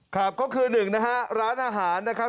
ครับก็คือหนึ่งนะฮะร้านอาหารนะครับ